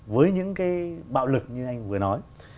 với những cái bạo lực như anh vừa nói